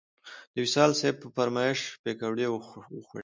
د وصال صیب په فرمایش پکوړې وخوړې.